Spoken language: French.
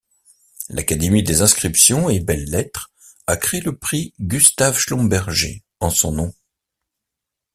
L’Académie des inscriptions et belles-lettres a créé le prix Gustave Schlumberger en son nom.